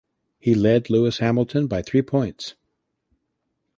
He led Lewis Hamilton by three points.